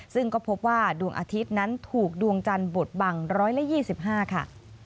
ซึ่งก็พบว่าดวงอาทิตย์นั้นถูกดวงจันทร์บดบัง๑๒๕ค่ะ